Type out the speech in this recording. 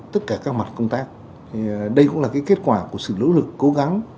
tất cả các mặt công tác đây cũng là kết quả của sự nỗ lực cố gắng